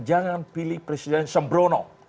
jangan pilih presiden sembrono